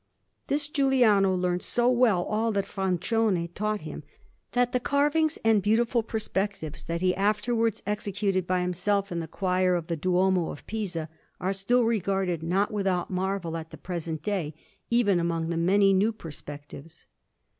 This Giuliano learnt so well all that Francione taught him, that the carvings and beautiful perspectives that he afterwards executed by himself in the choir of the Duomo of Pisa are still regarded not without marvel at the present day, even among the many new perspectives.